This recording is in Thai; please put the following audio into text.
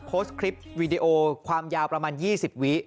โพสต์คลิปวีดีโอความยาวประมาณ๒๐วิ